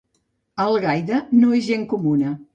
A Algaida no és gent comuna.